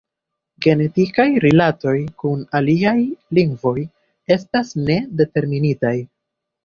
Genetikaj rilatoj kun aliaj lingvoj estas ne determinitaj.